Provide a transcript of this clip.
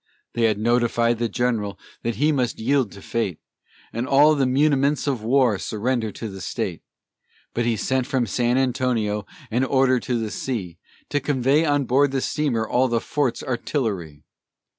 They had notified the General that he must yield to fate, And all the muniments of war surrender to the state, But he sent from San Antonio an order to the sea To convey on board the steamer all the fort's artillery.